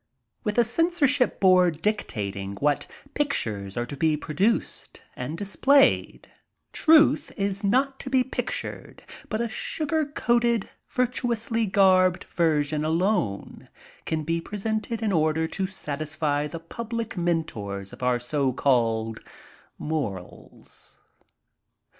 With a censorship board dictating what pictures are to be produced and displayed, truth is not to be pictured, but a sugar coated, virtuously garbed version alone can be presented, in order to satisfy the public mentors of our so called morals.